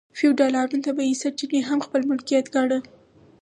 فیوډالانو طبیعي سرچینې هم خپل ملکیت ګاڼه.